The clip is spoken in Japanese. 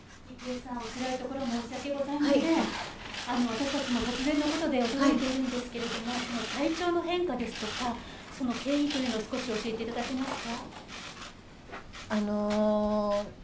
私たちも突然のことで驚いているんですけれども、体調の変化ですとか、経緯を少し教えてくださいますか。